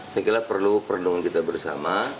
saya kira perlu perlindungan kita bersama